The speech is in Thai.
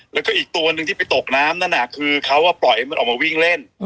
แล้วก็อีกตัวหนึ่งที่ไปตกน้ำนั่นคือเขาปล่อยให้มันออกมาวิ่งเล่น